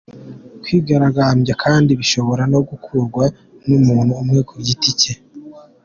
Kwigaragambya kandi bishobora no gukorwa n’umuntu umwe ku giti cye.